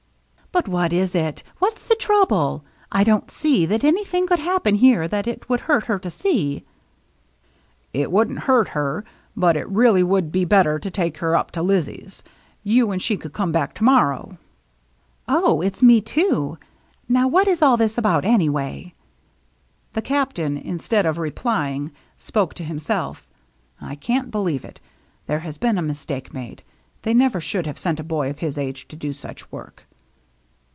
"But what is it? What's the trouble? I don't see that anything could happen here that it would hurt her to see." "It wouldn't hurt her, but it really would be better to take her up to Lizzie's. You and she could come back together to morrow." " Oh, it's me too ! Now what is all this about, anyway ?" The Captain, instead of replying, spoke to himself: " I can't believe it. There has been a mistake made. They never should have sent a boy of his age to do such work."